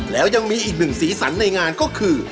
แล้วยังมีอีกหนึ่งสีสันในงานก็คือ